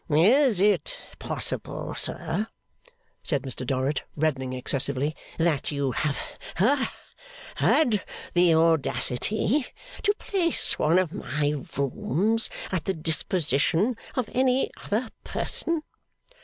'Is it possible, sir,' said Mr Dorrit, reddening excessively, 'that you have ha had the audacity to place one of my rooms at the disposition of any other person?